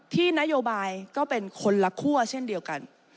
ที่นโยบายก็เป็นคนละคั่วเช่นเดียวกัน